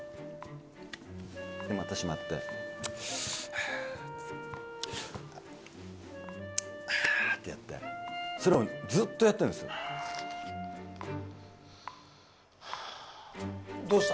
もうまたある時ああってやってそれをずっとやってるんですよどうした？